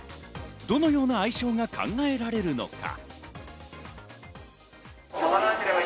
どのような愛称が考えられるのか。